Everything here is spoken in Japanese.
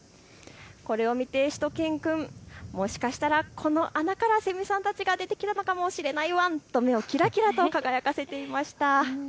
これを見てしゅと犬くん、もしかしたらこの穴からセミさんたちが出てきたのかもしれないワンと目をキラキラと輝かせていました。